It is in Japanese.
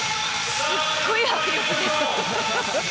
すっごい迫力です！